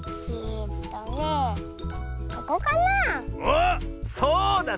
ここかな。